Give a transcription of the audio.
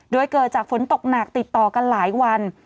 โดยเกิดจากฝนตกหนักติดต่อกันหลายวัน